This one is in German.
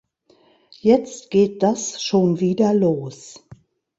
Jetzt geht das schon wieder los!